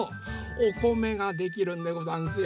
おこめができるんでござんすよ。